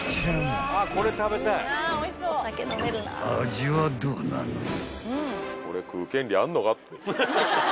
［味はどうなのよ？］